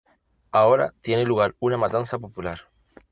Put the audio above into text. Ahora tiene lugar una matanza popular.